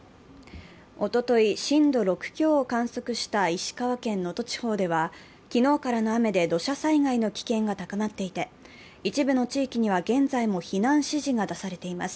おととい、震度６強を観測した石川県能登地方では、昨日からの雨で土砂災害の危険が高まっていて一部の地域には現在も避難指示が出されています。